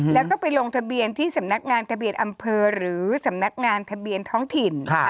แล้วก็ไปลงทะเบียนที่สำนักงานทะเบียนอำเภอหรือสำนักงานทะเบียนท้องถิ่น